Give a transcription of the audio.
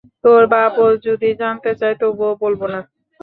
তোর বাপও যদি জানতে চায়, তবুও বলব না।